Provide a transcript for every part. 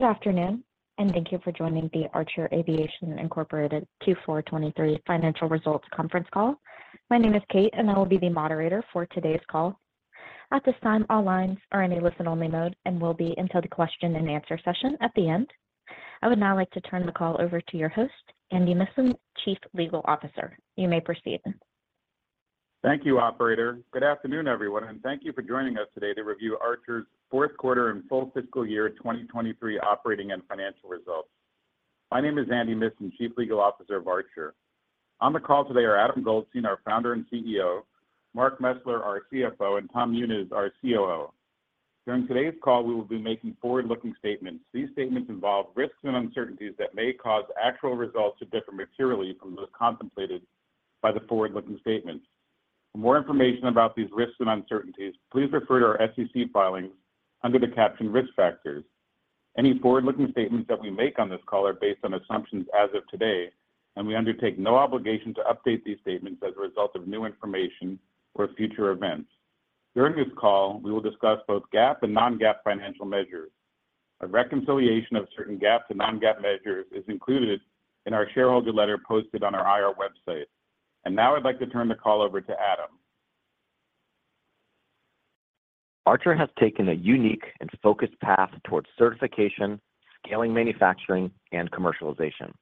Good afternoon, and thank you for joining the Archer Aviation Incorporated 2 February 2023 financial results conference call. My name is Kate, and I will be the moderator for today's call. At this time, all lines are in a listen-only mode and will be until the question-and-answer session at the end. I would now like to turn the call over to your host, Andy Missan, Chief Legal Officer. You may proceed. Thank you, Operator. Good afternoon, everyone, and thank you for joining us today to review Archer's fourth quarter and full fiscal year 2023 operating and financial results. My name is Andy Missan, Chief Legal Officer of Archer. On the call today are Adam Goldstein, our Founder and CEO, Mark Mesler, our CFO, and Tom Muniz, our COO. During today's call, we will be making forward-looking statements. These statements involve risks and uncertainties that may cause actual results to differ materially from those contemplated by the forward-looking statements. For more information about these risks and uncertainties, please refer to our SEC filings under the caption "Risk Factors." Any forward-looking statements that we make on this call are based on assumptions as of today, and we undertake no obligation to update these statements as a result of new information or future events. During this call, we will discuss both GAAP and non-GAAP financial measures. A reconciliation of certain GAAP to non-GAAP measures is included in our shareholder letter posted on our IR website. Now I'd like to turn the call over to Adam. Archer has taken a unique and focused path towards certification, scaling manufacturing, and commercialization.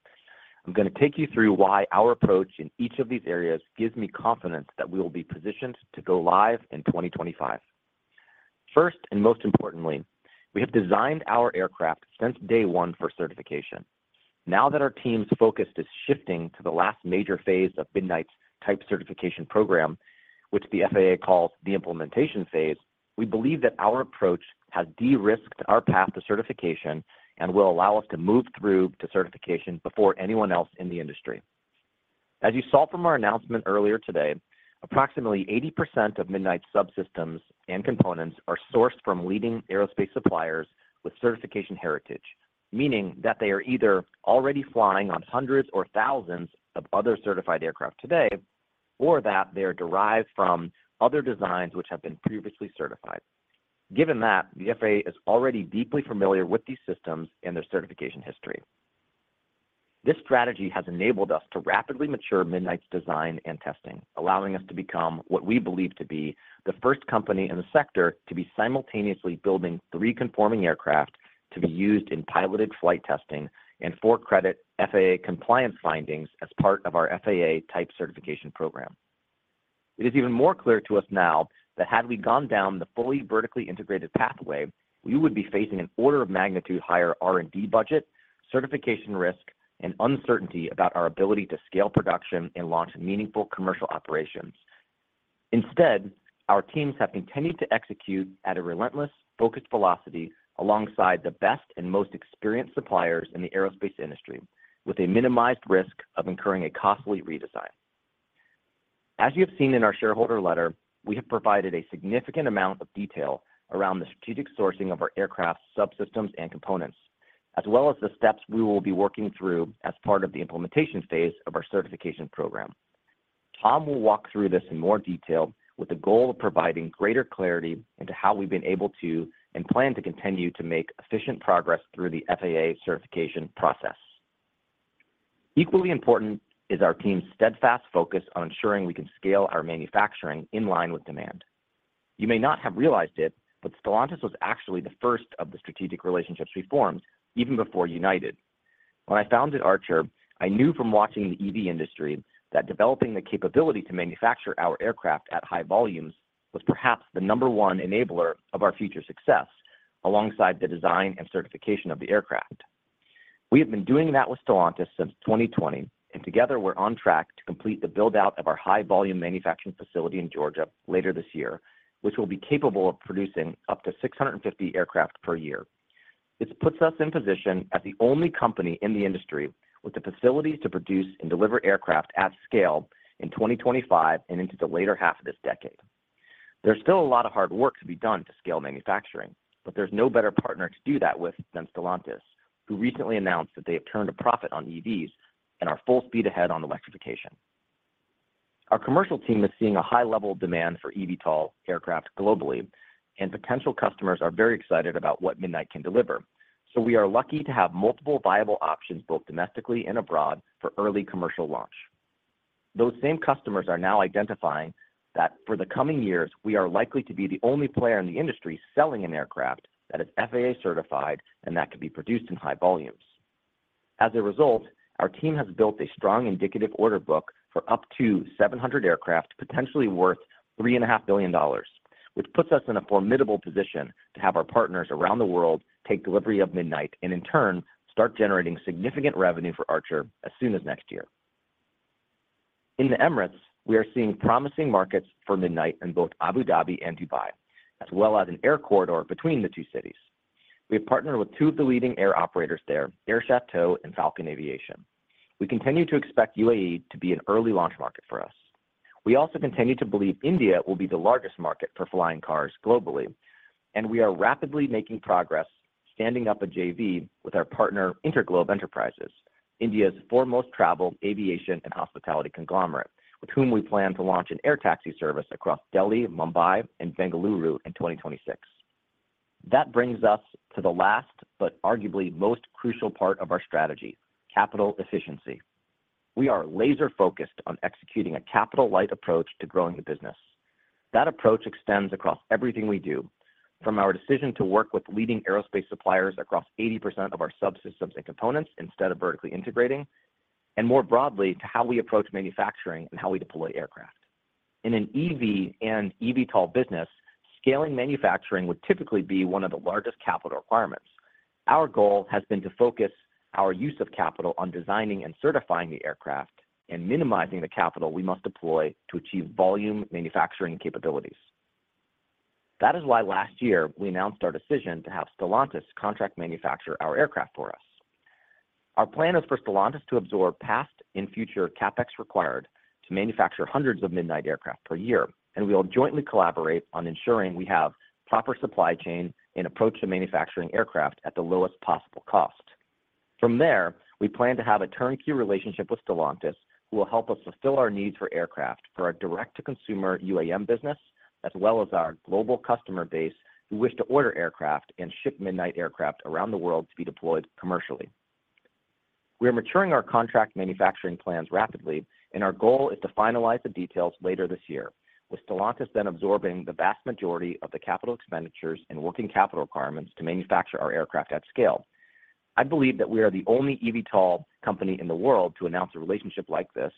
I'm going to take you through why our approach in each of these areas gives me confidence that we will be positioned to go live in 2025. First and most importantly, we have designed our aircraft since day one for certification. Now that our team's focus is shifting to the last major phase of Midnight's type certification program, which the FAA calls the implementation phase, we believe that our approach has de-risked our path to certification and will allow us to move through to certification before anyone else in the industry. As you saw from our announcement earlier today, approximately 80% of Midnight's subsystems and components are sourced from leading aerospace suppliers with certification heritage, meaning that they are either already flying on hundreds or thousands of other certified aircraft today or that they are derived from other designs which have been previously certified. Given that, the FAA is already deeply familiar with these systems and their certification history. This strategy has enabled us to rapidly mature Midnight's design and testing, allowing us to become what we believe to be the first company in the sector to be simultaneously building 3 conforming aircraft to be used in piloted flight testing and for credit FAA compliance findings as part of our FAA Type Certification program. It is even more clear to us now that had we gone down the fully vertically integrated pathway, we would be facing an order of magnitude higher R&D budget, certification risk, and uncertainty about our ability to scale production and launch meaningful commercial operations. Instead, our teams have continued to execute at a relentless, focused velocity alongside the best and most experienced suppliers in the aerospace industry, with a minimized risk of incurring a costly redesign. As you have seen in our shareholder letter, we have provided a significant amount of detail around the strategic sourcing of our aircraft, subsystems, and components, as well as the steps we will be working through as part of the implementation phase of our certification program. Tom will walk through this in more detail with the goal of providing greater clarity into how we've been able to and plan to continue to make efficient progress through the FAA certification process. Equally important is our team's steadfast focus on ensuring we can scale our manufacturing in line with demand. You may not have realized it, but Stellantis was actually the first of the strategic relationships we formed even before United. When I founded Archer, I knew from watching the EV industry that developing the capability to manufacture our aircraft at high volumes was perhaps the number one enabler of our future success alongside the design and certification of the aircraft. We have been doing that with Stellantis since 2020, and together we're on track to complete the build-out of our high-volume manufacturing facility in Georgia later this year, which will be capable of producing up to 650 aircraft per year. This puts us in position as the only company in the industry with the facilities to produce and deliver aircraft at scale in 2025 and into the later half of this decade. There's still a lot of hard work to be done to scale manufacturing, but there's no better partner to do that with than Stellantis, who recently announced that they have turned a profit on EVs and are full speed ahead on electrification. Our commercial team is seeing a high-level demand for eVTOL aircraft globally, and potential customers are very excited about what Midnight can deliver. So we are lucky to have multiple viable options both domestically and abroad for early commercial launch. Those same customers are now identifying that for the coming years, we are likely to be the only player in the industry selling an aircraft that is FAA certified and that can be produced in high volumes. As a result, our team has built a strong indicative order book for up to 700 aircraft potentially worth $3.5 billion, which puts us in a formidable position to have our partners around the world take delivery of Midnight and, in turn, start generating significant revenue for Archer as soon as next year. In the Emirates, we are seeing promising markets for Midnight in both Abu Dhabi and Dubai, as well as an air corridor between the two cities. We have partnered with two of the leading air operators there, Air Chateau and Falcon Aviation. We continue to expect UAE to be an early launch market for us. We also continue to believe India will be the largest market for flying cars globally, and we are rapidly making progress standing up a JV with our partner InterGlobe Enterprises, India's foremost travel, aviation, and hospitality conglomerate, with whom we plan to launch an air taxi service across Delhi, Mumbai, and Bengaluru in 2026. That brings us to the last but arguably most crucial part of our strategy: capital efficiency. We are laser-focused on executing a capital-light approach to growing the business. That approach extends across everything we do, from our decision to work with leading aerospace suppliers across 80% of our subsystems and components instead of vertically integrating, and more broadly to how we approach manufacturing and how we deploy aircraft. In an EV and eVTOL business, scaling manufacturing would typically be one of the largest capital requirements. Our goal has been to focus our use of capital on designing and certifying the aircraft and minimizing the capital we must deploy to achieve volume manufacturing capabilities. That is why last year we announced our decision to have Stellantis contract-manufacture our aircraft for us. Our plan is for Stellantis to absorb past and future CapEx required to manufacture hundreds of Midnight aircraft per year, and we will jointly collaborate on ensuring we have proper supply chain and approach to manufacturing aircraft at the lowest possible cost. From there, we plan to have a turnkey relationship with Stellantis, who will help us fulfill our needs for aircraft for our direct-to-consumer UAM business as well as our global customer base who wish to order aircraft and ship Midnight aircraft around the world to be deployed commercially. We are maturing our contract manufacturing plans rapidly, and our goal is to finalize the details later this year, with Stellantis then absorbing the vast majority of the capital expenditures and working capital requirements to manufacture our aircraft at scale. I believe that we are the only eVTOL company in the world to announce a relationship like this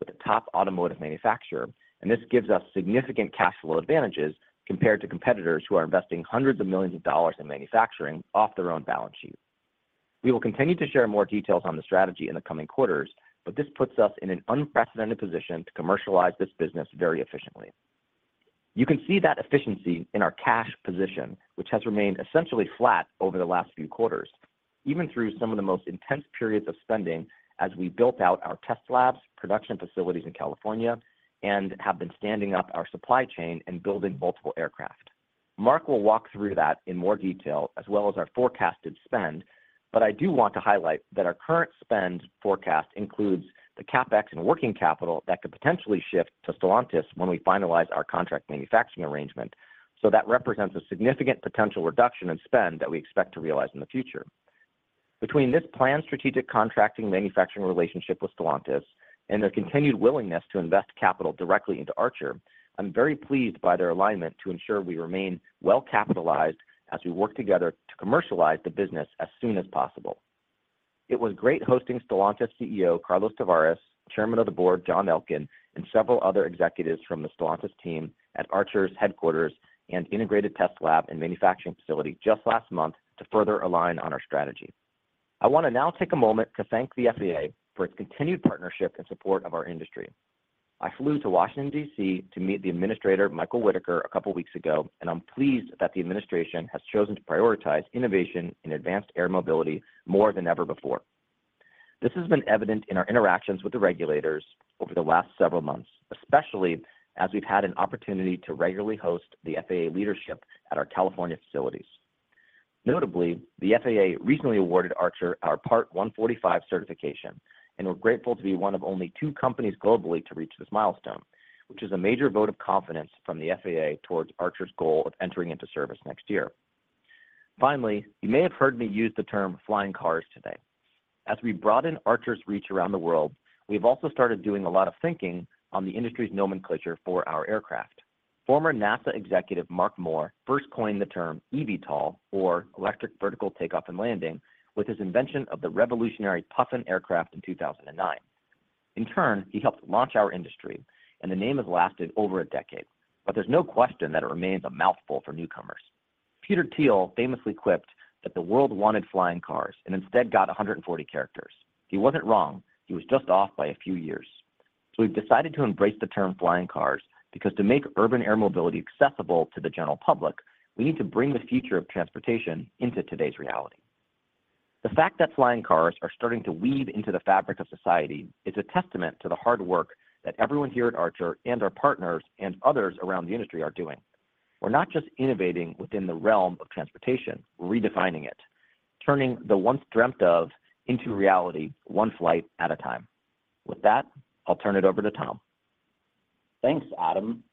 with a top automotive manufacturer, and this gives us significant cash flow advantages compared to competitors who are investing hundreds of millions of dollars in manufacturing off their own balance sheet. We will continue to share more details on the strategy in the coming quarters, but this puts us in an unprecedented position to commercialize this business very efficiently. You can see that efficiency in our cash position, which has remained essentially flat over the last few quarters, even through some of the most intense periods of spending as we built out our test labs, production facilities in California, and have been standing up our supply chain and building multiple aircraft. Mark will walk through that in more detail as well as our forecasted spend, but I do want to highlight that our current spend forecast includes the CapEx and working capital that could potentially shift to Stellantis when we finalize our contract manufacturing arrangement. So that represents a significant potential reduction in spend that we expect to realize in the future. Between this planned strategic contracting manufacturing relationship with Stellantis and their continued willingness to invest capital directly into Archer, I'm very pleased by their alignment to ensure we remain well capitalized as we work together to commercialize the business as soon as possible. It was great hosting Stellantis CEO Carlos Tavares, Chairman of the Board John Elkann, and several other executives from the Stellantis team at Archer's headquarters and integrated test lab and manufacturing facility just last month to further align on our strategy. I want to now take a moment to thank the FAA for its continued partnership and support of our industry. I flew to Washington, D.C., to meet the Administrator Michael Whitaker a couple of weeks ago, and I'm pleased that the administration has chosen to prioritize innovation in advanced air mobility more than ever before. This has been evident in our interactions with the regulators over the last several months, especially as we've had an opportunity to regularly host the FAA leadership at our California facilities. Notably, the FAA recently awarded Archer our Part 145 certification, and we're grateful to be one of only two companies globally to reach this milestone, which is a major vote of confidence from the FAA towards Archer's goal of entering into service next year. Finally, you may have heard me use the term flying cars today. As we broaden Archer's reach around the world, we have also started doing a lot of thinking on the industry's nomenclature for our aircraft. Former NASA executive Mark Moore first coined the term eVTOL or electric vertical takeoff and landing with his invention of the revolutionary Puffin aircraft in 2009. In turn, he helped launch our industry, and the name has lasted over a decade, but there's no question that it remains a mouthful for newcomers. Peter Thiel famously quipped that the world wanted flying cars and instead got 140 characters. He wasn't wrong. He was just off by a few years. So we've decided to embrace the term flying cars because to make urban air mobility accessible to the general public, we need to bring the future of transportation into today's reality. The fact that flying cars are starting to weave into the fabric of society is a testament to the hard work that everyone here at Archer and our partners and others around the industry are doing. We're not just innovating within the realm of transportation. We're redefining it, turning the once dreamt of into reality one flight at a time. With that, I'll turn it over to Tom. Thanks, Adam.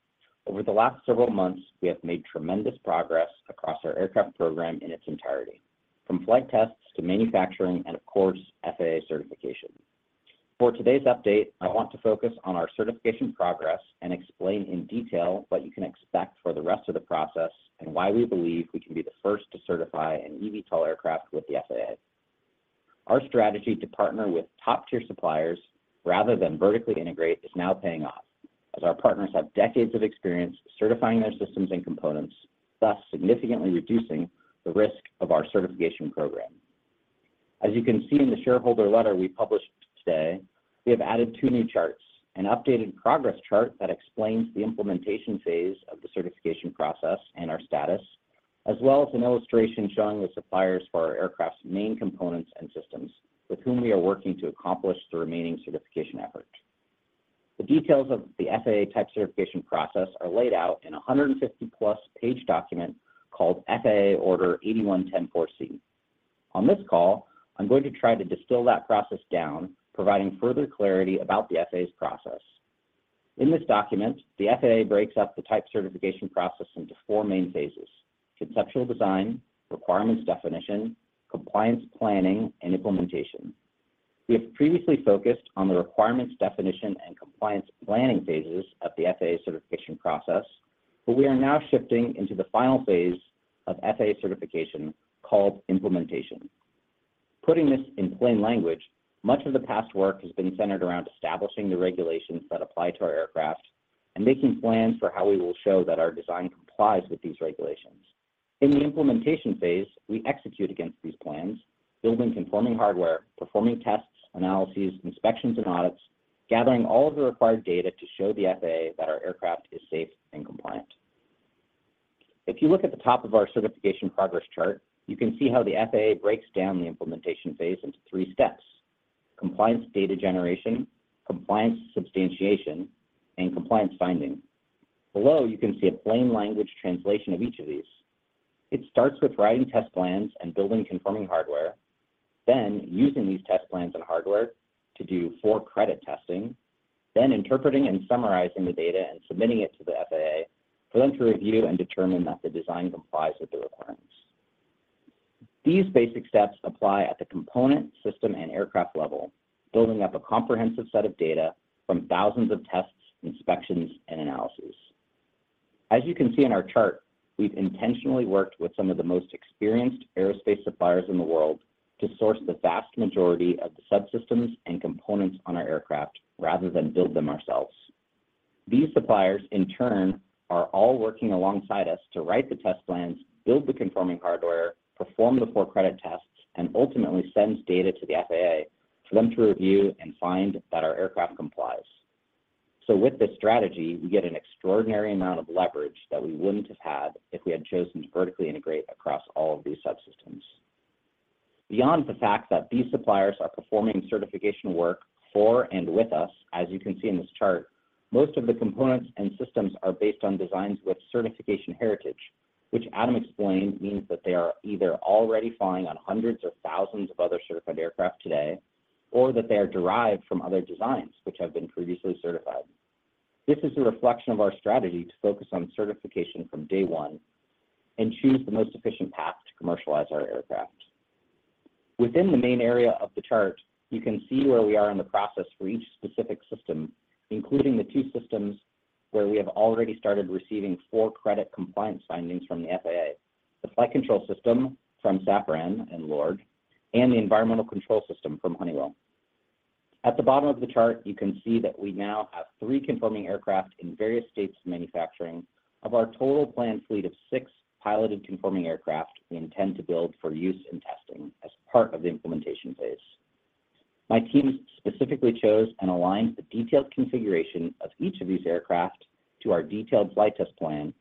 Over the last several months, we have made tremendous progress across our aircraft program in its entirety, from flight tests to manufacturing and, of course, FAA certification. For today's update, I want to focus on our certification progress and explain in detail what you can expect for the rest of the process and why we believe we can be the first to certify an eVTOL aircraft with the FAA. Our strategy to partner with top-tier suppliers rather than vertically integrate is now paying off as our partners have decades of experience certifying their systems and components, thus significantly reducing the risk of our certification program. As you can see in the shareholder letter we published today, we have added two new charts, an updated progress chart that explains the implementation phase of the certification process and our status, as well as an illustration showing the suppliers for our aircraft's main components and systems with whom we are working to accomplish the remaining certification effort. The details of the FAA type certification process are laid out in a 150+ page document called FAA Order 8110.4C. On this call, I'm going to try to distill that process down, providing further clarity about the FAA's process. In this document, the FAA breaks up the type certification process into four main phases: conceptual design, requirements definition, compliance planning, and implementation. We have previously focused on the requirements definition and compliance planning phases of the FAA certification process, but we are now shifting into the final phase of FAA certification called implementation. Putting this in plain language, much of the past work has been centered around establishing the regulations that apply to our aircraft and making plans for how we will show that our design complies with these regulations. In the implementation phase, we execute against these plans, building conforming hardware, performing tests, analyses, inspections, and audits, gathering all of the required data to show the FAA that our aircraft is safe and compliant. If you look at the top of our certification progress chart, you can see how the FAA breaks down the implementation phase into three steps: compliance data generation, compliance substantiation, and compliance finding. Below, you can see a plain language translation of each of these. It starts with writing test plans and building conforming hardware, then using these test plans and hardware to do for-credit testing, then interpreting and summarizing the data and submitting it to the FAA for them to review and determine that the design complies with the requirements. These basic steps apply at the component, system, and aircraft level, building up a comprehensive set of data from thousands of tests, inspections, and analyses. As you can see in our chart, we've intentionally worked with some of the most experienced aerospace suppliers in the world to source the vast majority of the subsystems and components on our aircraft rather than build them ourselves. These suppliers, in turn, are all working alongside us to write the test plans, build the conforming hardware, perform the for-credit tests, and ultimately send data to the FAA for them to review and find that our aircraft complies. So with this strategy, we get an extraordinary amount of leverage that we wouldn't have had if we had chosen to vertically integrate across all of these subsystems. Beyond the fact that these suppliers are performing certification work for and with us, as you can see in this chart, most of the components and systems are based on designs with certification heritage, which Adam explained means that they are either already flying on hundreds or thousands of other certified aircraft today or that they are derived from other designs which have been previously certified. This is a reflection of our strategy to focus on certification from day one and choose the most efficient path to commercialize our aircraft. Within the main area of the chart, you can see where we are in the process for each specific system, including the two systems where we have already started receiving for-credit compliance findings from the FAA: the flight control system from Safran and Lord, and the environmental control system from Honeywell. At the bottom of the chart, you can see that we now have three conforming aircraft in various states of manufacturing of our total planned fleet of six piloted conforming aircraft we intend to build for use and testing as part of the implementation phase. My team specifically chose and aligned the detailed configuration of each of these aircraft to our detailed flight test plan,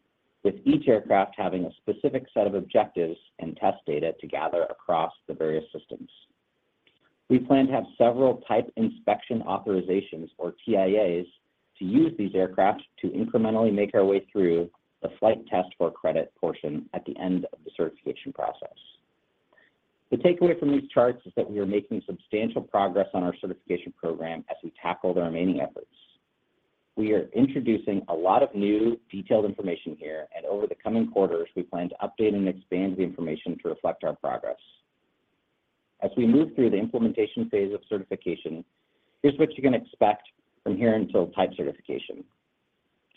with each aircraft having a specific set of objectives and test data to gather across the various systems. We plan to have several Type Inspection Authorizations or TIAs to use these aircraft to incrementally make our way through the flight test for credit portion at the end of the certification process. The takeaway from these charts is that we are making substantial progress on our certification program as we tackle the remaining efforts. We are introducing a lot of new detailed information here, and over the coming quarters, we plan to update and expand the information to reflect our progress. As we move through the implementation phase of certification, here's what you can expect from here until Type Certification.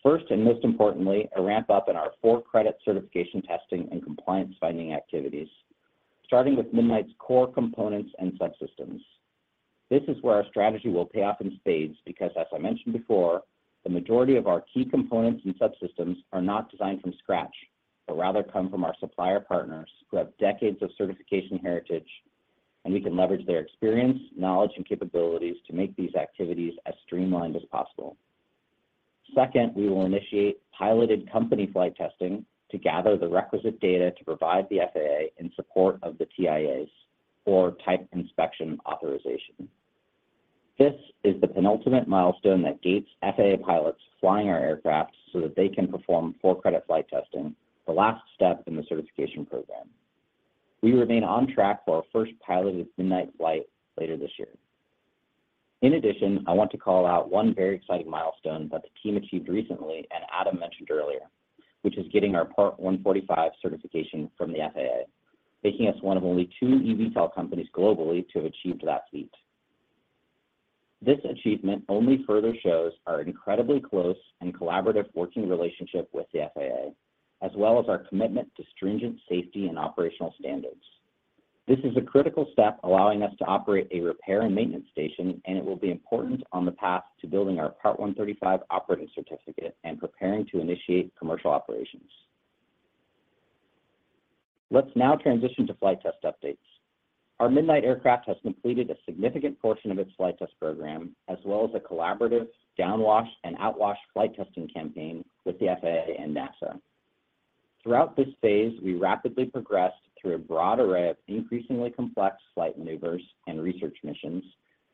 First and most importantly, a ramp-up in our for-credit certification testing and compliance finding activities, starting with Midnight's core components and subsystems. This is where our strategy will pay off in spades because, as I mentioned before, the majority of our key components and subsystems are not designed from scratch but rather come from our supplier partners who have decades of certification heritage, and we can leverage their experience, knowledge, and capabilities to make these activities as streamlined as possible. Second, we will initiate piloted company flight testing to gather the requisite data to provide the FAA in support of the TIAs or type inspection authorization. This is the penultimate milestone that gates FAA pilots flying our aircraft so that they can perform for-credit flight testing, the last step in the certification program. We remain on track for our first piloted Midnight flight later this year. In addition, I want to call out one very exciting milestone that the team achieved recently and Adam mentioned earlier, which is getting our Part 145 certification from the FAA, making us one of only two eVTOL companies globally to have achieved that feat. This achievement only further shows our incredibly close and collaborative working relationship with the FAA, as well as our commitment to stringent safety and operational standards. This is a critical step allowing us to operate a repair and maintenance station, and it will be important on the path to building our Part 135 operating certificate and preparing to initiate commercial operations. Let's now transition to flight test updates. Our Midnight aircraft has completed a significant portion of its flight test program, as well as a collaborative downwash and outwash flight testing campaign with the FAA and NASA. Throughout this phase, we rapidly progressed through a broad array of increasingly complex flight maneuvers and research missions,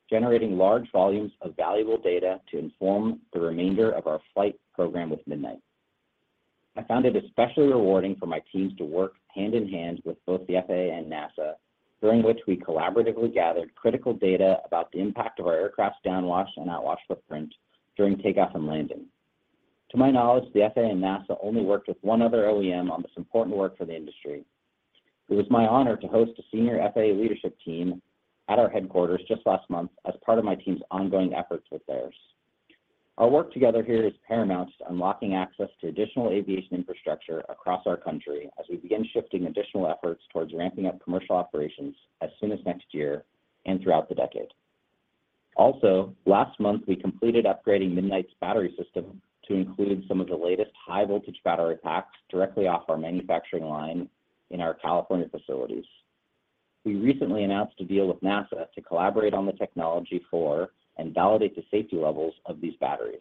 generating large volumes of valuable data to inform the remainder of our flight program with Midnight. I found it especially rewarding for my teams to work hand in hand with both the FAA and NASA, during which we collaboratively gathered critical data about the impact of our aircraft's downwash and outwash footprint during takeoff and landing. To my knowledge, the FAA and NASA only worked with one other OEM on this important work for the industry. It was my honor to host a senior FAA leadership team at our headquarters just last month as part of my team's ongoing efforts with theirs. Our work together here is paramount to unlocking access to additional aviation infrastructure across our country as we begin shifting additional efforts towards ramping up commercial operations as soon as next year and throughout the decade. Also, last month, we completed upgrading Midnight's battery system to include some of the latest high-voltage battery packs directly off our manufacturing line in our California facilities. We recently announced a deal with NASA to collaborate on the technology for and validate the safety levels of these batteries.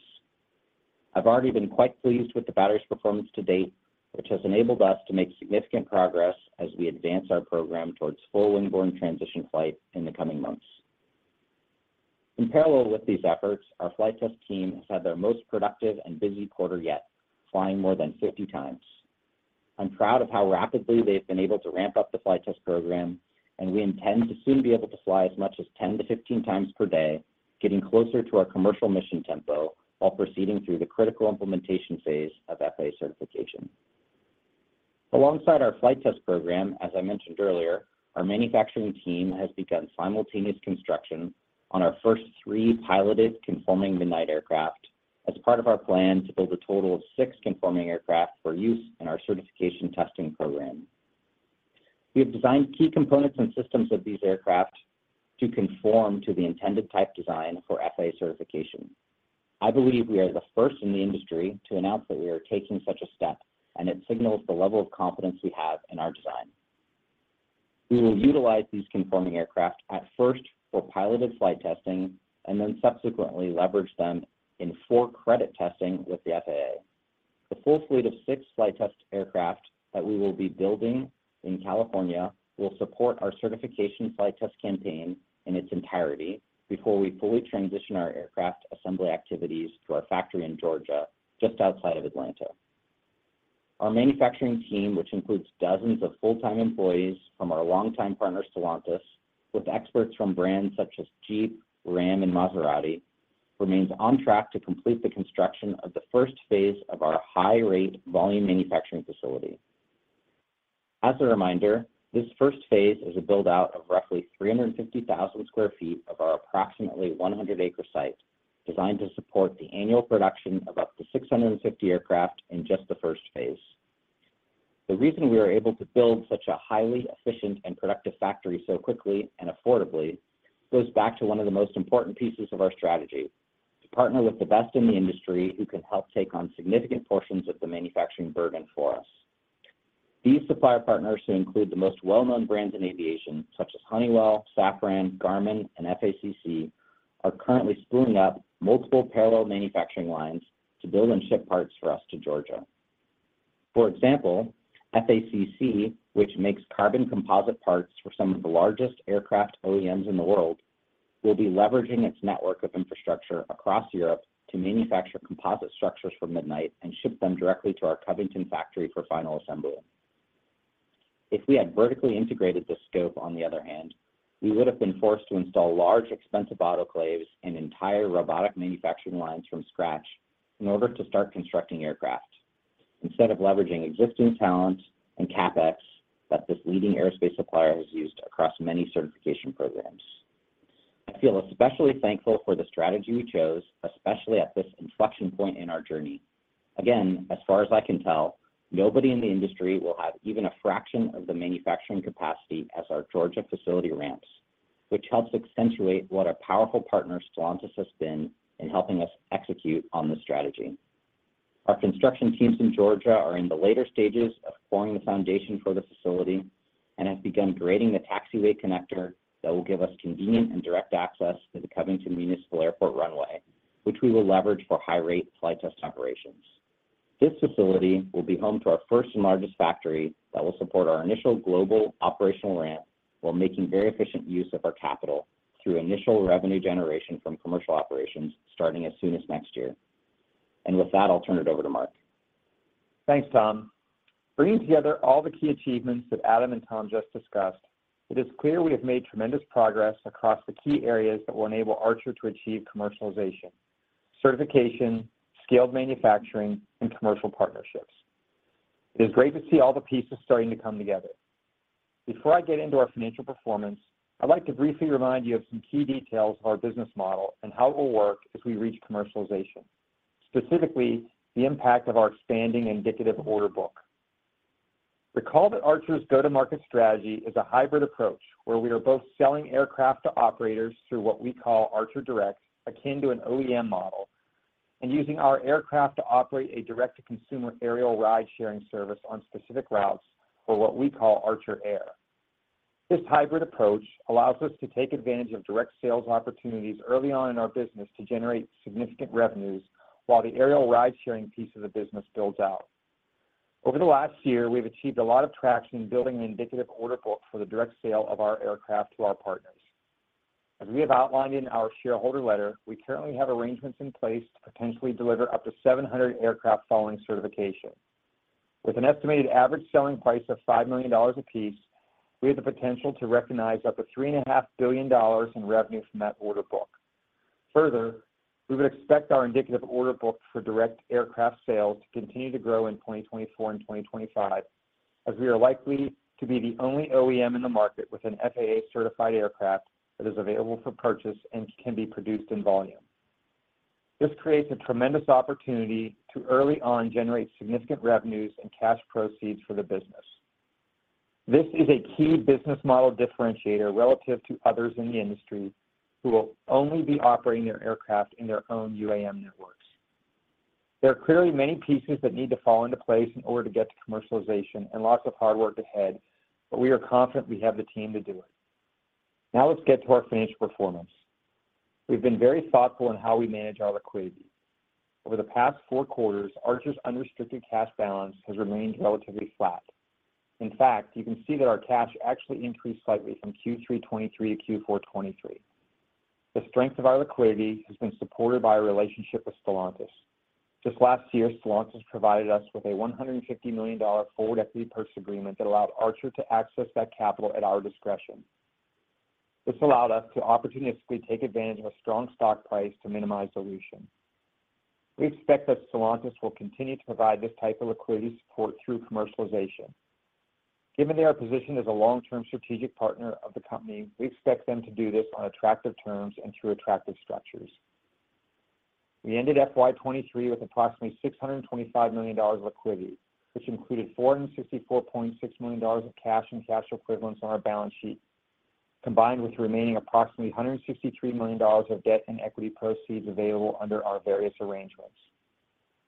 I've already been quite pleased with the battery's performance to date, which has enabled us to make significant progress as we advance our program towards full-wing-borne transition flight in the coming months. In parallel with these efforts, our flight test team has had their most productive and busy quarter yet, flying more than 50 times. I'm proud of how rapidly they've been able to ramp up the flight test program, and we intend to soon be able to fly as much as 10-15 times per day, getting closer to our commercial mission tempo while proceeding through the critical implementation phase of FAA certification. Alongside our flight test program, as I mentioned earlier, our manufacturing team has begun simultaneous construction on our first three piloted conforming Midnight aircraft as part of our plan to build a total of six conforming aircraft for use in our certification testing program. We have designed key components and systems of these aircraft to conform to the intended type design for FAA certification. I believe we are the first in the industry to announce that we are taking such a step, and it signals the level of confidence we have in our design. We will utilize these conforming aircraft at first for piloted flight testing and then subsequently leverage them in for-credit testing with the FAA. The full fleet of six flight test aircraft that we will be building in California will support our certification flight test campaign in its entirety before we fully transition our aircraft assembly activities to our factory in Georgia just outside of Atlanta. Our manufacturing team, which includes dozens of full-time employees from our longtime partner, Stellantis, with experts from brands such as Jeep, Ram, and Maserati, remains on track to complete the construction of the first phase of our high-rate volume manufacturing facility. As a reminder, this first phase is a build-out of roughly 350,000 sq ft of our approximately 100-acre site designed to support the annual production of up to 650 aircraft in just the first phase. The reason we are able to build such a highly efficient and productive factory so quickly and affordably goes back to one of the most important pieces of our strategy: to partner with the best in the industry who can help take on significant portions of the manufacturing burden for us. These supplier partners, who include the most well-known brands in aviation such as Honeywell, Safran, Garmin, and FACC, are currently spooling up multiple parallel manufacturing lines to build and ship parts for us to Georgia. For example, FACC, which makes carbon composite parts for some of the largest aircraft OEMs in the world, will be leveraging its network of infrastructure across Europe to manufacture composite structures for Midnight and ship them directly to our Covington factory for final assembly. If we had vertically integrated this scope, on the other hand, we would have been forced to install large, expensive autoclaves and entire robotic manufacturing lines from scratch in order to start constructing aircraft instead of leveraging existing talent and CapEx that this leading aerospace supplier has used across many certification programs. I feel especially thankful for the strategy we chose, especially at this inflection point in our journey. Again, as far as I can tell, nobody in the industry will have even a fraction of the manufacturing capacity as our Georgia facility ramps, which helps accentuate what a powerful partner Stellantis has been in helping us execute on this strategy. Our construction teams in Georgia are in the later stages of pouring the foundation for the facility and have begun grading the taxiway connector that will give us convenient and direct access to the Covington Municipal Airport runway, which we will leverage for high-rate flight test operations. This facility will be home to our first and largest factory that will support our initial global operational ramp while making very efficient use of our capital through initial revenue generation from commercial operations starting as soon as next year. With that, I'll turn it over to Mark. Thanks, Tom. Bringing together all the key achievements that Adam and Tom just discussed, it is clear we have made tremendous progress across the key areas that will enable Archer to achieve commercialization: certification, scaled manufacturing, and commercial partnerships. It is great to see all the pieces starting to come together. Before I get into our financial performance, I'd like to briefly remind you of some key details of our business model and how it will work as we reach commercialization, specifically the impact of our expanding indicative order book. Recall that Archer's go-to-market strategy is a hybrid approach where we are both selling aircraft to operators through what we call Archer Direct, akin to an OEM model, and using our aircraft to operate a direct-to-consumer aerial ride-sharing service on specific routes for what we call Archer Air. This hybrid approach allows us to take advantage of direct sales opportunities early on in our business to generate significant revenues while the aerial ride-sharing piece of the business builds out. Over the last year, we've achieved a lot of traction in building an indicative order book for the direct sale of our aircraft to our partners. As we have outlined in our shareholder letter, we currently have arrangements in place to potentially deliver up to 700 aircraft following certification. With an estimated average selling price of $5 million apiece, we have the potential to recognize up to $3.5 billion in revenue from that order book. Further, we would expect our indicative order book for direct aircraft sales to continue to grow in 2024 and 2025 as we are likely to be the only OEM in the market with an FAA-certified aircraft that is available for purchase and can be produced in volume. This creates a tremendous opportunity to early on generate significant revenues and cash proceeds for the business. This is a key business model differentiator relative to others in the industry who will only be operating their aircraft in their own UAM networks. There are clearly many pieces that need to fall into place in order to get to commercialization and lots of hard work ahead, but we are confident we have the team to do it. Now let's get to our financial performance. We've been very thoughtful in how we manage our liquidity. Over the past four quarters, Archer's unrestricted cash balance has remained relatively flat. In fact, you can see that our cash actually increased slightly from Q3 2023 to Q4 2023. The strength of our liquidity has been supported by our relationship with Stellantis. Just last year, Stellantis provided us with a $150 million forward equity purchase agreement that allowed Archer to access that capital at our discretion. This allowed us to opportunistically take advantage of a strong stock price to minimize dilution. We expect that Stellantis will continue to provide this type of liquidity support through commercialization. Given they are positioned as a long-term strategic partner of the company, we expect them to do this on attractive terms and through attractive structures. We ended FY 2023 with approximately $625 million liquidity, which included $464.6 million of cash and cash equivalents on our balance sheet, combined with the remaining approximately $163 million of debt and equity proceeds available under our various arrangements.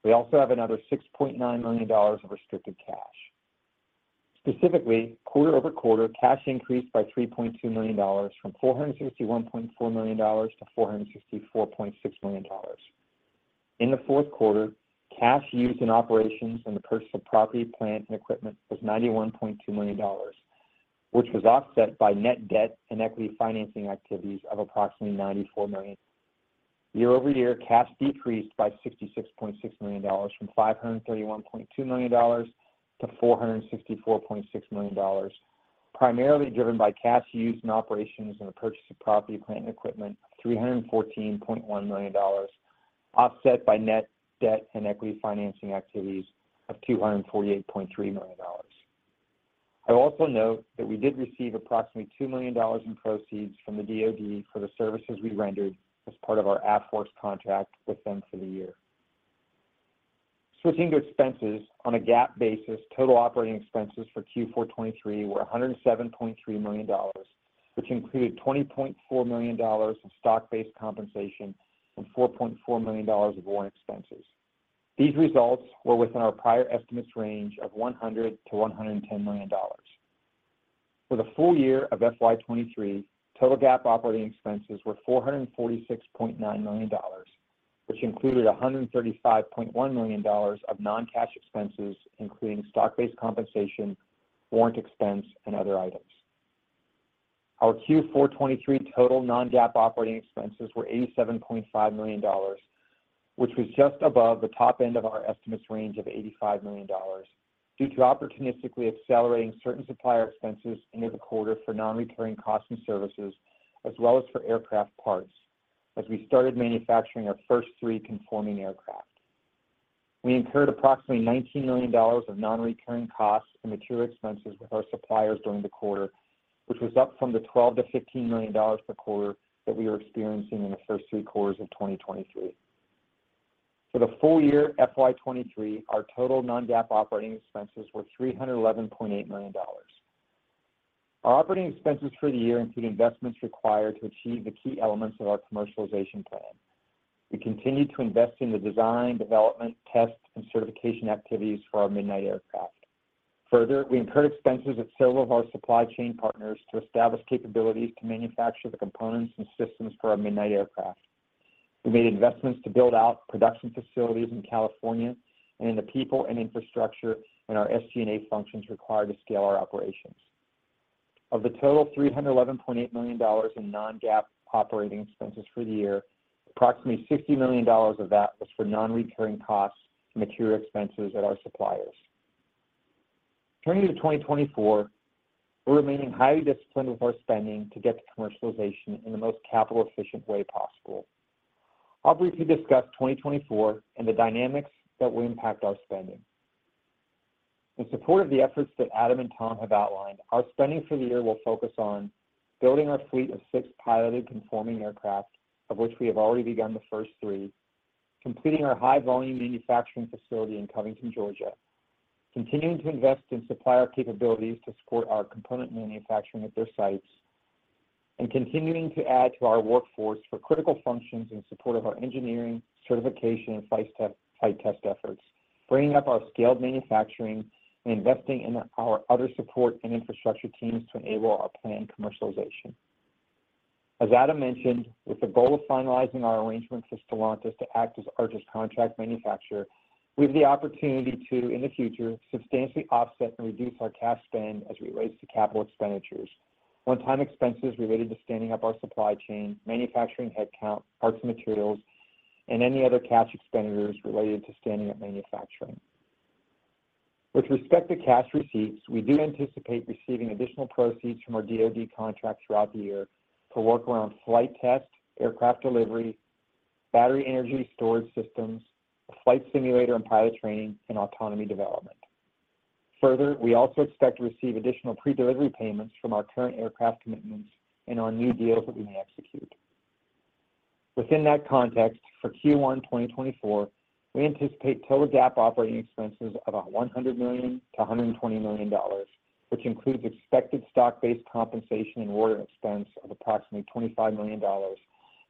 We also have another $6.9 million of restricted cash. Specifically, quarter-over-quarter, cash increased by $3.2 million from $461.4 million t$464.6 million. In the fourth quarter, cash used in operations and the purchase of property, plant, and equipment was $91.2 million, which was offset by net debt and equity financing activities of approximately $94 million. Year-over-year, cash decreased by $66.6 million from $531.2 million to $464.6 million, primarily driven by cash used in operations and the purchase of property, plant, and equipment of $314.1 million, offset by net debt and equity financing activities of $248.3 million. I also note that we did receive approximately $2 million in proceeds from the DOD for the services we rendered as part of our AFWERX contract with them for the year. Switching to expenses, on a GAAP basis, total operating expenses for Q4 2023 were $107.3 million, which included $20.4 million of stock-based compensation and $4.4 million of warrant expenses. These results were within our prior estimates range of $100 million-$110 million. For the full year of FY 2023, total GAAP operating expenses were $446.9 million, which included $135.1 million of non-cash expenses, including stock-based compensation, warrant expense, and other items. Our Q4 2023 total non-GAAP operating expenses were $87.5 million, which was just above the top end of our estimates range of $85 million due to opportunistically accelerating certain supplier expenses into the quarter for non-recurring costs and services, as well as for aircraft parts as we started manufacturing our first three conforming aircraft. We incurred approximately $19 million of non-recurring costs and material expenses with our suppliers during the quarter, which was up from the $12 million-$15 million per quarter that we were experiencing in the first three quarters of 2023. For the full year FY 2023, our total non-GAAP operating expenses were $311.8 million. Our operating expenses for the year include investments required to achieve the key elements of our commercialization plan. We continued to invest in the design, development, test, and certification activities for our Midnight aircraft. Further, we incurred expenses at several of our supply chain partners to establish capabilities to manufacture the components and systems for our Midnight aircraft. We made investments to build out production facilities in California and in the people and infrastructure and our SG&A functions required to scale our operations. Of the total $311.8 million in non-GAAP operating expenses for the year, approximately $60 million of that was for non-recurring costs and material expenses at our suppliers. Turning to 2024, we're remaining highly disciplined with our spending to get to commercialization in the most capital-efficient way possible. I'll briefly discuss 2024 and the dynamics that will impact our spending. In support of the efforts that Adam and Tom have outlined, our spending for the year will focus on building our fleet of six piloted conforming aircraft, of which we have already begun the first three, completing our high-volume manufacturing facility in Covington, Georgia, continuing to invest in supplier capabilities to support our component manufacturing at their sites, and continuing to add to our workforce for critical functions in support of our engineering, certification, and flight test efforts, bringing up our scaled manufacturing and investing in our other support and infrastructure teams to enable our planned commercialization. As Adam mentioned, with the goal of finalizing our arrangement for Stellantis to act as Archer's contract manufacturer, we have the opportunity to, in the future, substantially offset and reduce our cash spend as it relates to capital expenditures: one-time expenses related to standing up our supply chain, manufacturing headcount, parts and materials, and any other cash expenditures related to standing up manufacturing. With respect to cash receipts, we do anticipate receiving additional proceeds from our DOD contract throughout the year for work around flight test, aircraft delivery, battery energy storage systems, flight simulator and pilot training, and autonomy development. Further, we also expect to receive additional pre-delivery payments from our current aircraft commitments and our new deals that we may execute. Within that context, for Q1 2024, we anticipate total GAAP operating expenses of about $100 million-$120 million, which includes expected stock-based compensation and warrant expense of approximately $25 million,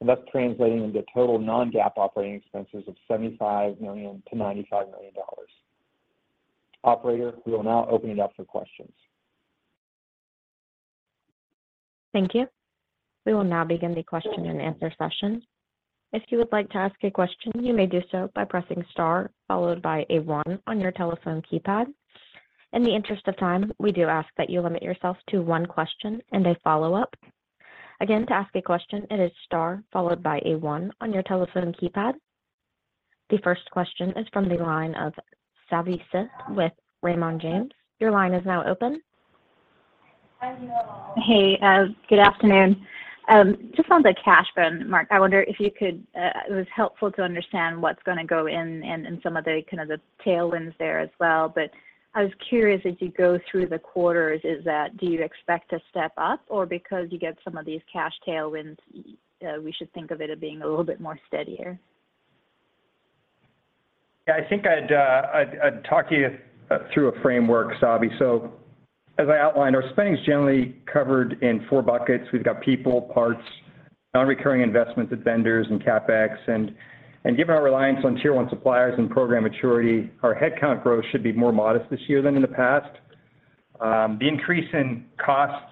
and thus translating into total non-GAAP operating expenses of $75 million-$95 million. Operator, we will now open it up for questions. Thank you. We will now begin the question and answer session. If you would like to ask a question, you may do so by pressing star followed by a one on your telephone keypad. In the interest of time, we do ask that you limit yourself to one question and a follow-up. Again, to ask a question, it is star followed by a one on your telephone keypad. The first question is from the line of Savi Syth with Raymond James. Your line is now open. Hey. Good afternoon. Just on the cash burn, Mark, I wonder if you could. It was helpful to understand what's going to go in and some of the tailwinds there as well. But I was curious, as you go through the quarters, do you expect to step up or because you get some of these cash tailwinds, we should think of it as being a little bit more steadier? Yeah. I think I'd talk to you through a framework, Savi. So as I outlined, our spending is generally covered in four buckets. We've got people, parts, non-recurring investments at vendors, and CapEx. And given our reliance on tier one suppliers and program maturity, our headcount growth should be more modest this year than in the past. The increase in costs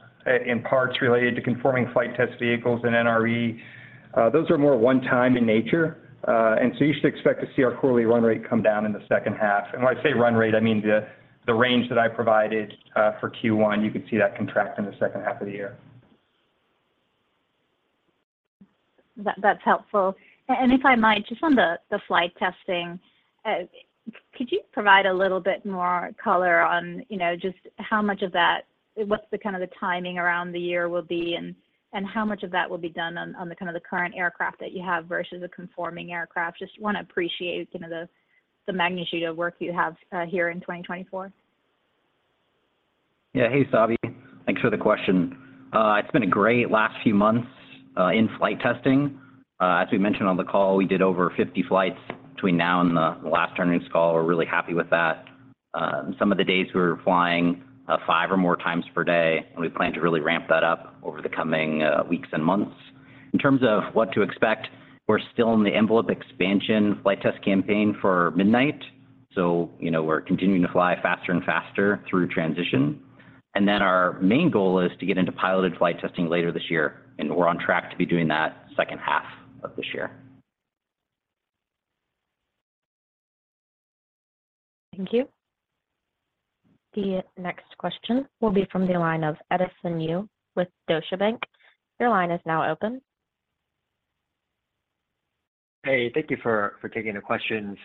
in parts related to conforming flight test vehicles and NRE, those are more one-time in nature. And so you should expect to see our quarterly run rate come down in the second half. And when I say run rate, I mean the range that I provided for Q1. You could see that contract in the second half of the year. That's helpful. And if I might, just on the flight testing, could you provide a little bit more color on just how much of that what's the kind of the timing around the year will be and how much of that will be done on the kind of the current aircraft that you have versus a conforming aircraft? Just want to appreciate the magnitude of work you have here in 2024. Yeah. Hey, Savi. Thanks for the question. It's been a great last few months in flight testing. As we mentioned on the call, we did over 50 flights between now and the last earnings call. We're really happy with that. Some of the days we were flying five or more times per day, and we plan to really ramp that up over the coming weeks and months. In terms of what to expect, we're still in the envelope expansion flight test campaign for Midnight. So we're continuing to fly faster and faster through transition. And then our main goal is to get into piloted flight testing later this year. And we're on track to be doing that second half of this year. Thank you. The next question will be from the line of Edison Yu with Deutsche Bank. Your line is now open. Hey. Thank you for taking the questions.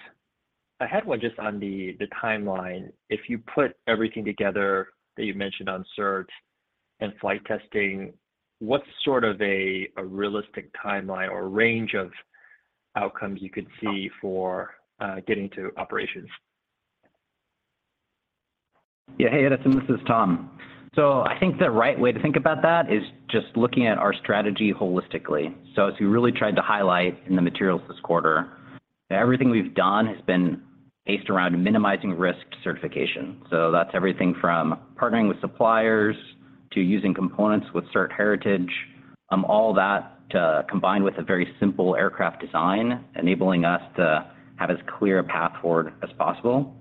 I had one just on the timeline. If you put everything together that you mentioned on cert and flight testing, what's sort of a realistic timeline or range of outcomes you could see for getting to operations? Yeah. Hey, Edison. This is Tom. So I think the right way to think about that is just looking at our strategy holistically. So as we really tried to highlight in the materials this quarter, everything we've done has been based around minimizing risk certification. So that's everything from partnering with suppliers to using components with cert heritage, all that combined with a very simple aircraft design enabling us to have as clear a path forward as possible.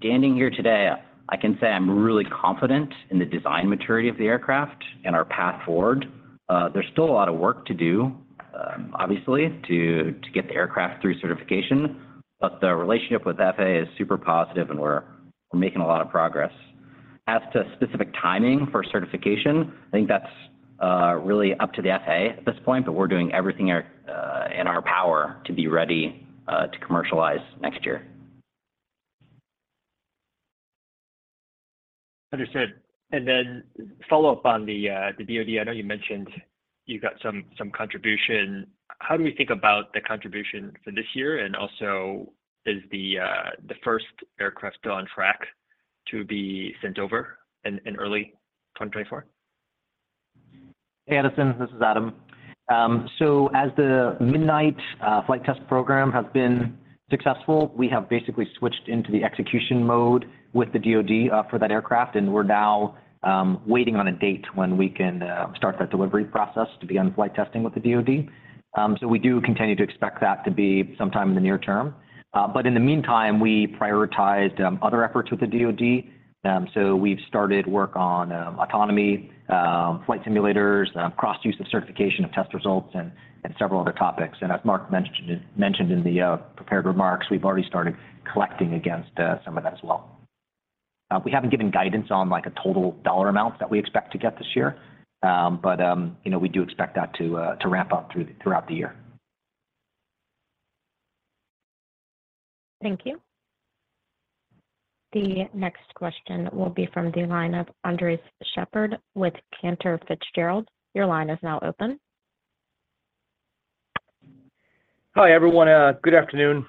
Standing here today, I can say I'm really confident in the design maturity of the aircraft and our path forward. There's still a lot of work to do, obviously, to get the aircraft through certification. But the relationship with FAA is super positive, and we're making a lot of progress. As to specific timing for certification, I think that's really up to the FAA at this point, but we're doing everything in our power to be ready to commercialize next year. Understood. Follow-up on the DOD. I know you mentioned you've got some contribution. How do we think about the contribution for this year? And also, is the first aircraft still on track to be sent over in early 2024? Hey, Edison. This is Adam. So as the Midnight flight test program has been successful, we have basically switched into the execution mode with the DOD for that aircraft. And we're now waiting on a date when we can start that delivery process to begin flight testing with the DOD. So we do continue to expect that to be sometime in the near term. But in the meantime, we prioritized other efforts with the DOD. So we've started work on autonomy, flight simulators, cross-use of certification of test results, and several other topics. And as Mark mentioned in the prepared remarks, we've already started collecting against some of that as well. We haven't given guidance on a total dollar amount that we expect to get this year, but we do expect that to ramp up throughout the year. Thank you. The next question will be from the line of Andres Sheppard with Cantor Fitzgerald. Your line is now open. Hi, everyone. Good afternoon.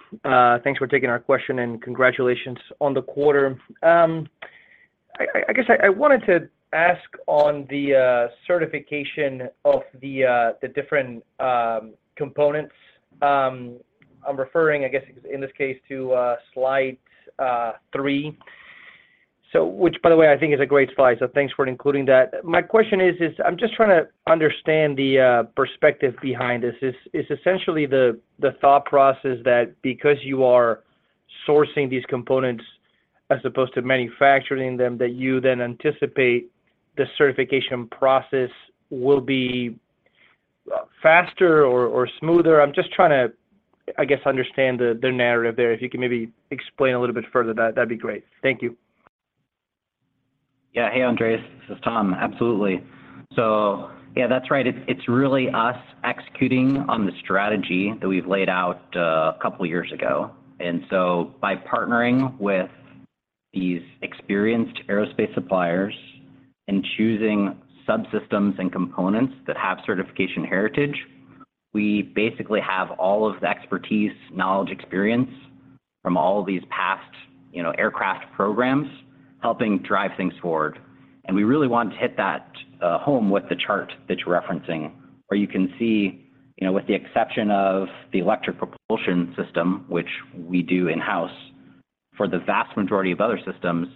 Thanks for taking our question and congratulations on the quarter. I guess I wanted to ask on the certification of the different components. I'm referring, I guess, in this case, to slide three, which, by the way, I think is a great slide. So thanks for including that. My question is, I'm just trying to understand the perspective behind this. It's essentially the thought process that because you are sourcing these components as opposed to manufacturing them, that you then anticipate the certification process will be faster or smoother. I'm just trying to, I guess, understand the narrative there. If you can maybe explain a little bit further, that'd be great. Thank you. Yeah. Hey, Andres. This is Tom. Absolutely. So yeah, that's right. It's really us executing on the strategy that we've laid out a couple of years ago. And so by partnering with these experienced aerospace suppliers and choosing subsystems and components that have certification heritage, we basically have all of the expertise, knowledge, experience from all of these past aircraft programs helping drive things forward. And we really want to hit that home with the chart that you're referencing, where you can see, with the exception of the electric propulsion system, which we do in-house, for the vast majority of other systems,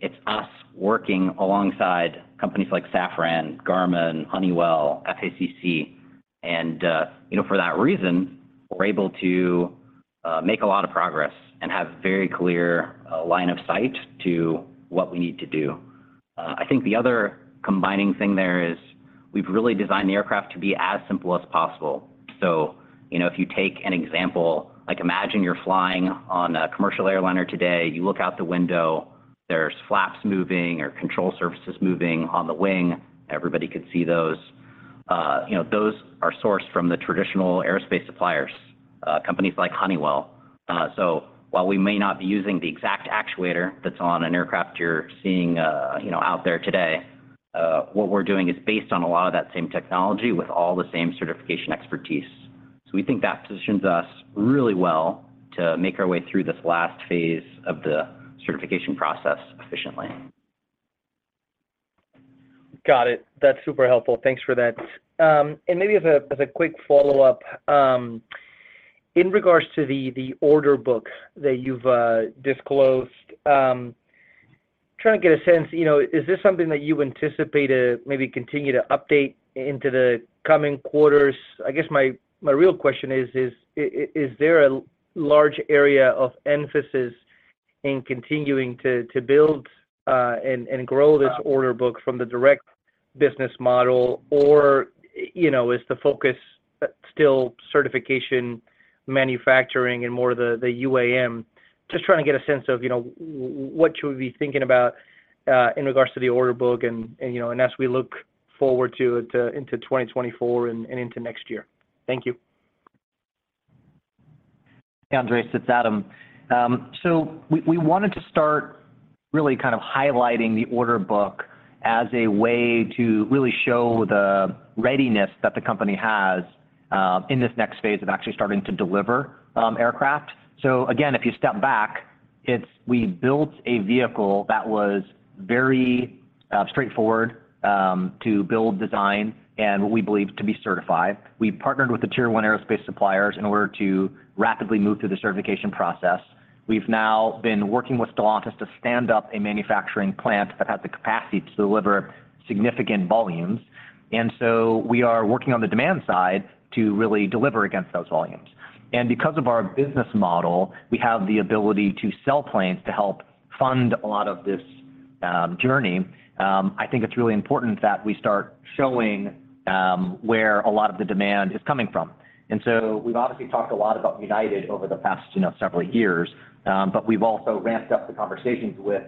it's us working alongside companies like Safran, Garmin, Honeywell, FACC. And for that reason, we're able to make a lot of progress and have a very clear line of sight to what we need to do. I think the other combining thing there is we've really designed the aircraft to be as simple as possible. So if you take an example, imagine you're flying on a commercial airliner today. You look out the window. There's flaps moving or control surfaces moving on the wing. Everybody could see those. Those are sourced from the traditional aerospace suppliers, companies like Honeywell. So while we may not be using the exact actuator that's on an aircraft you're seeing out there today, what we're doing is based on a lot of that same technology with all the same certification expertise. So we think that positions us really well to make our way through this last phase of the certification process efficiently. Got it. That's super helpful. Thanks for that. And maybe as a quick follow-up, in regards to the order book that you've disclosed, trying to get a sense, is this something that you anticipate to maybe continue to update into the coming quarters? I guess my real question is, is there a large area of emphasis in continuing to build and grow this order book from the direct business model, or is the focus still certification, manufacturing, and more of the UAM? Just trying to get a sense of what should we be thinking about in regards to the order book and as we look forward to it into 2024 and into next year. Thank you. Hey, Andres. It's Adam. So we wanted to start really kind of highlighting the order book as a way to really show the readiness that the company has in this next phase of actually starting to deliver aircraft. So again, if you step back, we built a vehicle that was very straightforward to build, design, and what we believe to be certified. We partnered with the tier one aerospace suppliers in order to rapidly move through the certification process. We've now been working with Stellantis to stand up a manufacturing plant that has the capacity to deliver significant volumes. And so we are working on the demand side to really deliver against those volumes. And because of our business model, we have the ability to sell planes to help fund a lot of this journey. I think it's really important that we start showing where a lot of the demand is coming from. So we've obviously talked a lot about United over the past several years, but we've also ramped up the conversations with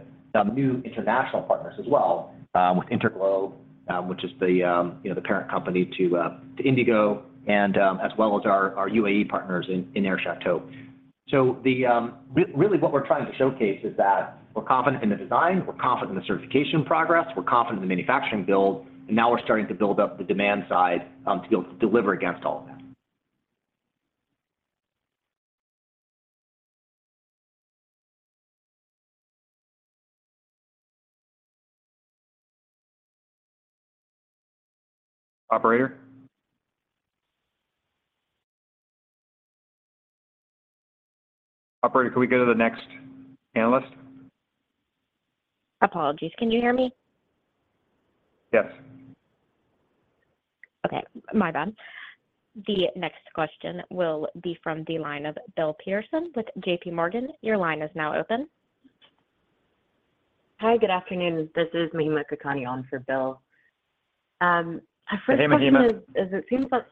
new international partners as well, with InterGlobe, which is the parent company to IndiGo, and as well as our UAE partners in Air Chateau. Really, what we're trying to showcase is that we're confident in the design. We're confident in the certification progress. We're confident in the manufacturing build. Now we're starting to build up the demand side to be able to deliver against all of that. Operator? Operator, can we go to the next panelist? Apologies. Can you hear me? Yes. Okay. My bad. The next question will be from the line of Bill Peterson with JPMorgan. Your line is now open. Hi. Good afternoon. This is Mahima Kakani for Bill. Hey, Mahima. As it seems like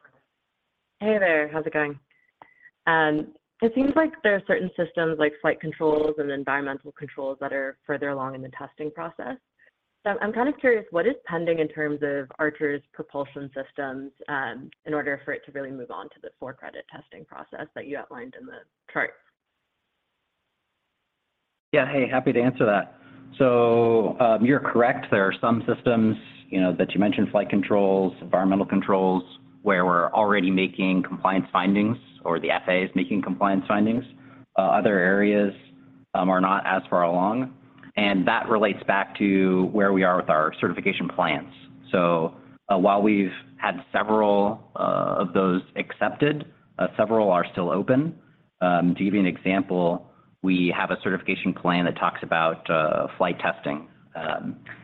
hey there. How's it going? It seems like there are certain systems like flight controls and environmental controls that are further along in the testing process. So I'm kind of curious, what is pending in terms of Archer's propulsion systems in order for it to really move on to the for-credit testing process that you outlined in the chart? Yeah. Hey. Happy to answer that. So you're correct. There are some systems that you mentioned, flight controls, environmental controls, where we're already making compliance findings or the FAA is making compliance findings. Other areas are not as far along. And that relates back to where we are with our certification plans. So while we've had several of those accepted, several are still open. To give you an example, we have a certification plan that talks about flight testing.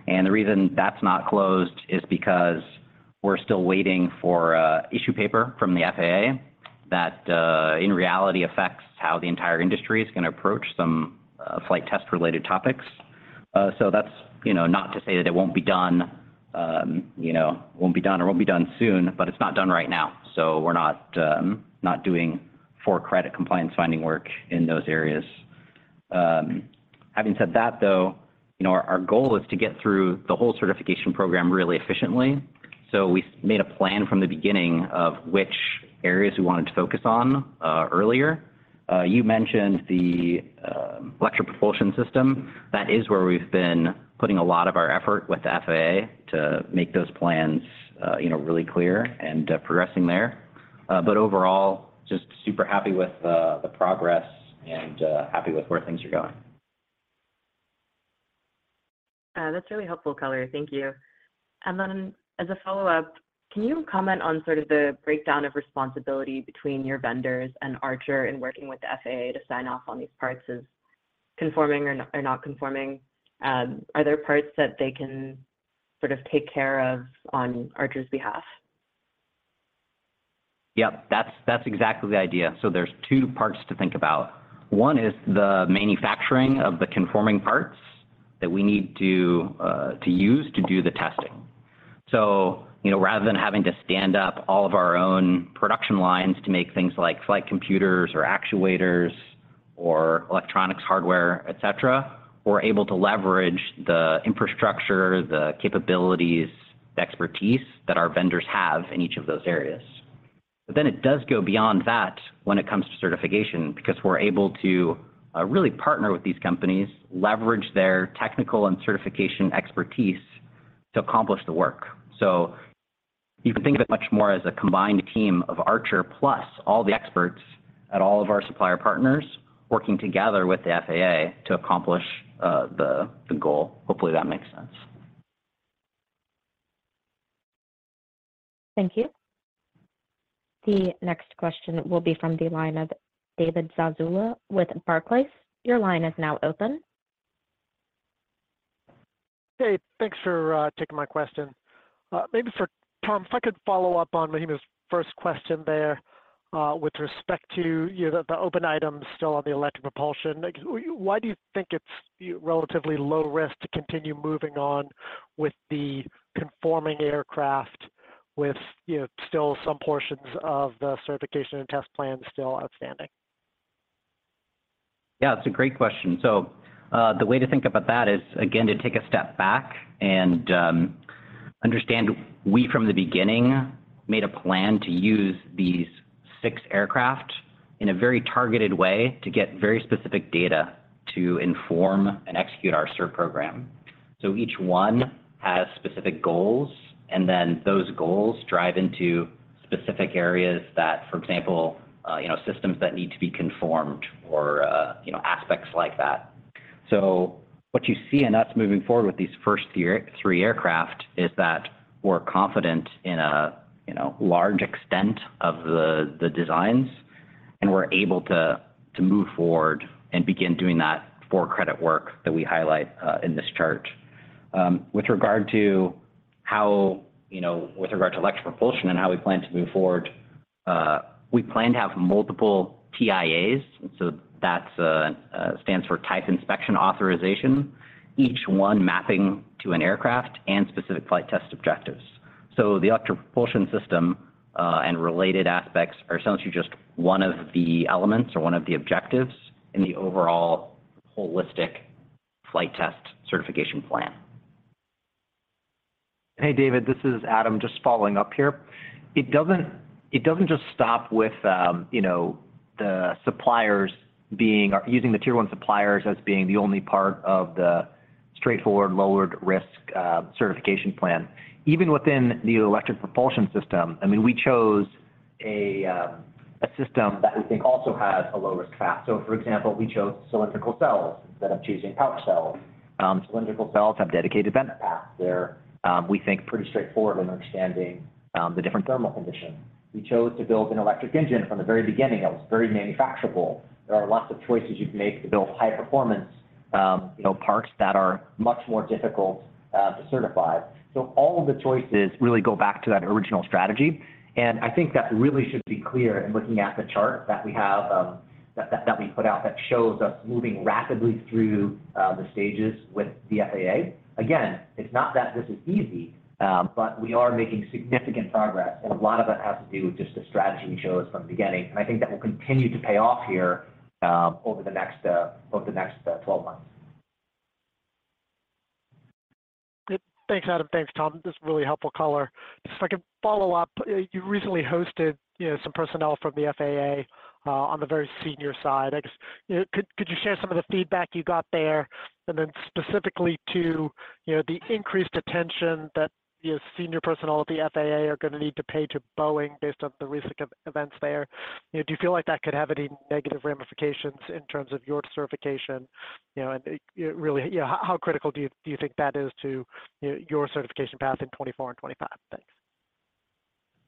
And the reason that's not closed is because we're still waiting for Issue Paper from the FAA that, in reality, affects how the entire industry is going to approach some flight test-related topics. So that's not to say that it won't be done it won't be done or won't be done soon, but it's not done right now. So we're not doing for-credit compliance finding work in those areas. Having said that, though, our goal is to get through the whole certification program really efficiently. So we made a plan from the beginning of which areas we wanted to focus on earlier. You mentioned the electric propulsion system. That is where we've been putting a lot of our effort with the FAA to make those plans really clear and progressing there. But overall, just super happy with the progress and happy with where things are going. That's really helpful, color. Thank you. And then as a follow-up, can you comment on sort of the breakdown of responsibility between your vendors and Archer in working with the FAA to sign off on these parts as conforming or not conforming? Are there parts that they can sort of take care of on Archer's behalf? Yep. That's exactly the idea. So there's two parts to think about. One is the manufacturing of the conforming parts that we need to use to do the testing. So rather than having to stand up all of our own production lines to make things like flight computers or actuators or electronics hardware, etc., we're able to leverage the infrastructure, the capabilities, the expertise that our vendors have in each of those areas. But then it does go beyond that when it comes to certification because we're able to really partner with these companies, leverage their technical and certification expertise to accomplish the work. So you can think of it much more as a combined team of Archer plus all the experts at all of our supplier partners working together with the FAA to accomplish the goal. Hopefully, that makes sense. Thank you. The next question will be from the line of David Zazula with Barclays. Your line is now open. Hey. Thanks for taking my question. Maybe for Tom, if I could follow up on Mahima's first question there with respect to the open items still on the electric propulsion, why do you think it's relatively low risk to continue moving on with the conforming aircraft with still some portions of the certification and test plans still outstanding? Yeah. That's a great question. So the way to think about that is, again, to take a step back and understand we, from the beginning, made a plan to use these six aircraft in a very targeted way to get very specific data to inform and execute our cert program. So each one has specific goals, and then those goals drive into specific areas that, for example, systems that need to be conformed or aspects like that. So what you see in us moving forward with these first three aircraft is that we're confident in a large extent of the designs, and we're able to move forward and begin doing that for-credit work that we highlight in this chart. With regard to electric propulsion and how we plan to move forward, we plan to have multiple TIAs. So that stands for Type Inspection Authorization, each one mapping to an aircraft and specific flight test objectives. So the electric propulsion system and related aspects are essentially just one of the elements or one of the objectives in the overall holistic flight test certification plan. Hey, David. This is Adam just following up here. It doesn't just stop with the suppliers being using the tier one suppliers as being the only part of the straightforward, lowered-risk certification plan. Even within the electric propulsion system, I mean, we chose a system that we think also has a low-risk path. So for example, we chose cylindrical cells instead of choosing pouch cells. Cylindrical cells have dedicated vent paths. They're, we think, pretty straightforward in understanding the different thermal conditions. We chose to build an electric engine from the very beginning that was very manufacturable. There are lots of choices you can make to build high-performance parts that are much more difficult to certify. So all of the choices really go back to that original strategy. I think that really should be clear in looking at the chart that we have that we put out that shows us moving rapidly through the stages with the FAA. Again, it's not that this is easy, but we are making significant progress. A lot of it has to do with just the strategy we chose from the beginning. I think that will continue to pay off here over the next 12 months. Thanks, Adam. Thanks, Tom. This is really helpful, color. Just if I could follow up, you recently hosted some personnel from the FAA on the very senior side. I guess, could you share some of the feedback you got there? And then specifically to the increased attention that senior personnel at the FAA are going to need to pay to Boeing based on the recent events there, do you feel like that could have any negative ramifications in terms of your certification? And really, how critical do you think that is to your certification path in 2024 and 2025? Thanks.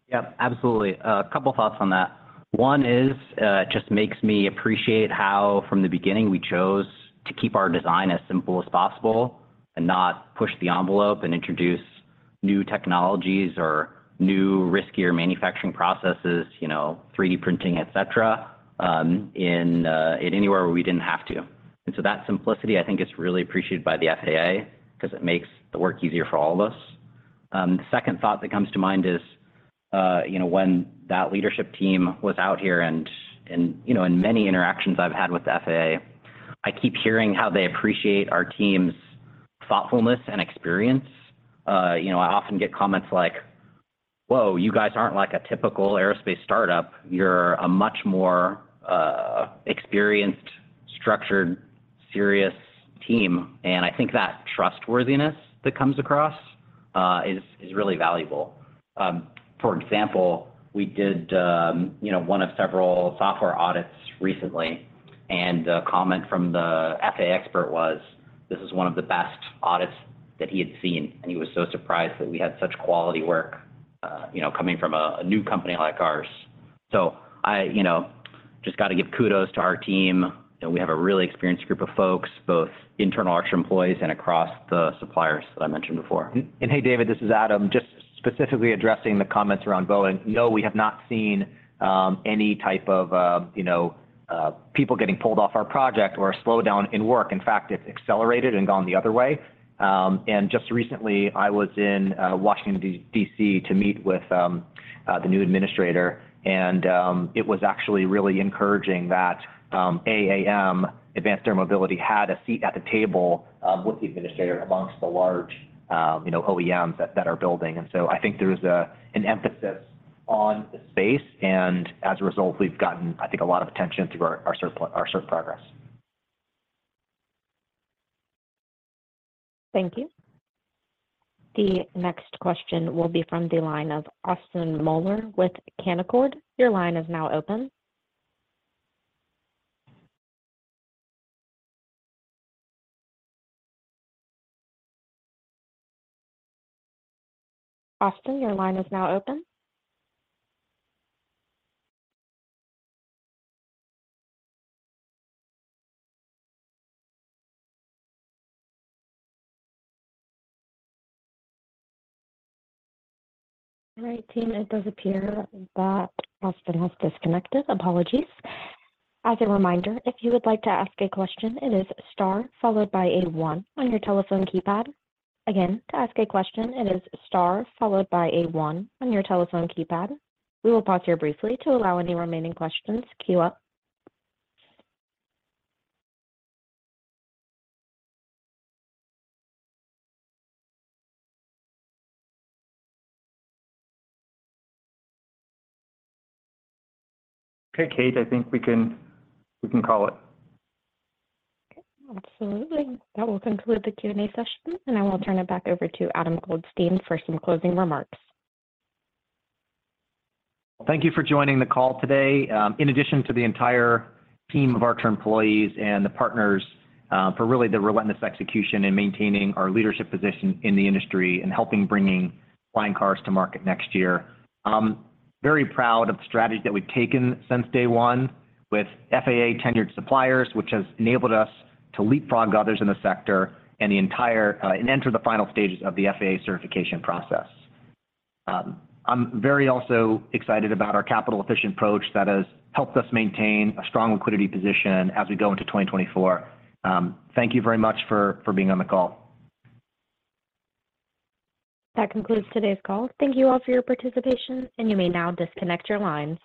Yeah. Absolutely. A couple of thoughts on that. One is it just makes me appreciate how, from the beginning, we chose to keep our design as simple as possible and not push the envelope and introduce new technologies or new, riskier manufacturing processes, 3D printing, etc., in anywhere where we didn't have to. And so that simplicity, I think, is really appreciated by the FAA because it makes the work easier for all of us. The second thought that comes to mind is when that leadership team was out here and in many interactions I've had with the FAA, I keep hearing how they appreciate our team's thoughtfulness and experience. I often get comments like, "Whoa, you guys aren't like a typical aerospace startup. You're a much more experienced, structured, serious team." And I think that trustworthiness that comes across is really valuable. For example, we did one of several software audits recently. A comment from the FAA expert was, "This is one of the best audits that he had seen." He was so surprised that we had such quality work coming from a new company like ours. So I just got to give kudos to our team. We have a really experienced group of folks, both internal Archer employees and across the suppliers that I mentioned before. Hey, David. This is Adam. Just specifically addressing the comments around Boeing, no, we have not seen any type of people getting pulled off our project or a slowdown in work. In fact, it's accelerated and gone the other way. Just recently, I was in Washington, D.C. to meet with the new administrator. It was actually really encouraging that AAM, Advanced Air Mobility, had a seat at the table with the administrator amongst the large OEMs that are building. So I think there is an emphasis on the space. As a result, we've gotten, I think, a lot of attention through our cert progress. Thank you. The next question will be from the line of Austin Moeller with Canaccord. Your line is now open. Austin, your line is now open. All right, team. It does appear that Austin has disconnected. Apologies. As a reminder, if you would like to ask a question, it is star followed by one on your telephone keypad. Again, to ask a question, it is star followed by one on your telephone keypad. We will pause here briefly to allow any remaining questions to queue up. Okay, Kate. I think we can call it. Okay. Absolutely. That will conclude the Q&A session. I will turn it back over to Adam Goldstein for some closing remarks. Thank you for joining the call today, in addition to the entire team of Archer employees and the partners for really the relentless execution and maintaining our leadership position in the industry and helping bring flying cars to market next year. Very proud of the strategy that we've taken since day one with FAA-tenured suppliers, which has enabled us to leapfrog others in the sector and enter the final stages of the FAA certification process. I'm very also excited about our capital-efficient approach that has helped us maintain a strong liquidity position as we go into 2024. Thank you very much for being on the call. That concludes today's call. Thank you all for your participation. You may now disconnect your lines.